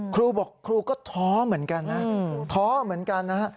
ครูบอกครูก็ท้อเหมือนกันนะ